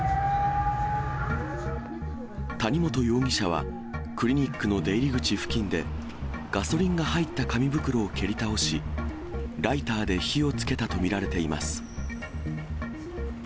谷本容疑者は、クリニックの出入り口付近で、ガソリンが入った紙袋を蹴り倒し、ライターで火をつけたと見られています。